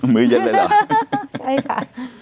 มือเย็นเลยเหรอใช่ค่ะ